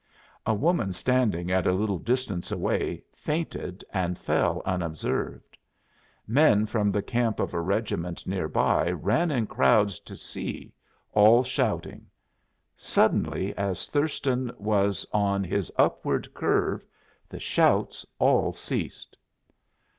A woman standing at a little distance away fainted and fell unobserved. Men from the camp of a regiment near by ran in crowds to see, all shouting. Suddenly, as Thurston was on his upward curve, the shouts all ceased.